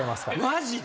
マジで？